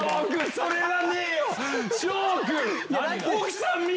それはねえよ！